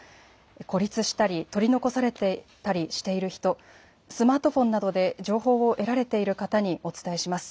孤立したり、取り残されたりしている人、スマートフォンなどで情報を得られている方にお伝えします。